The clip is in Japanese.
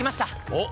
おっ！